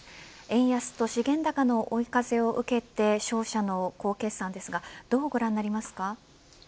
円安と資源高の追い風を受けて商社の好決算ですがどうご覧になりますか。